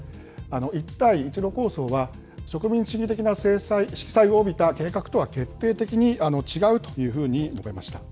一帯一路構想は、植民地主義的な色彩を帯びた計画とは決定的に違うというふうに述べました。